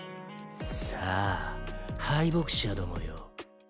さあ敗北者どもよ